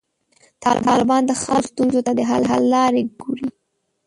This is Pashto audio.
طالبان د خلکو ستونزو ته د حل لارې ګوري.